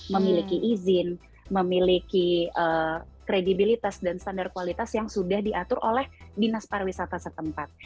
memiliki izin memiliki kredibilitas dan standar kualitas yang sudah diatur oleh dinas pariwisata setempat